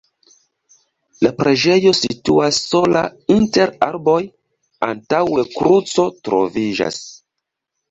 La preĝejo situas sola inter arboj, antaŭe kruco troviĝas.